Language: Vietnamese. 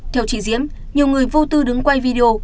theo chị diễm nhiều người vô tư đứng quay video